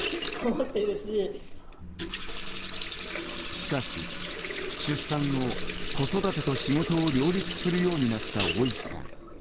しかし、出産後子育てと仕事を両立するようになった尾石さん。